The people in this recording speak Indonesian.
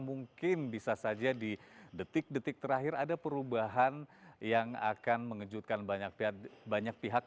mungkin bisa saja di detik detik terakhir ada perubahan yang akan mengejutkan banyak pihak